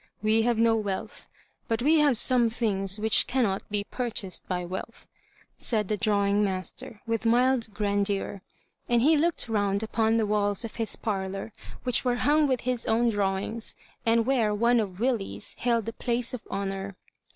We have no wealth ; but we have some things which cannot be purchased by wealth," said the drawing master, with mild grandeur ; and he looked round upon the walls of his parlour, which were hung with his own drawings, and where one of Willie's held the place of honour.